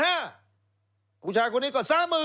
อุชายชายคนนี้ก็๓๐๐๐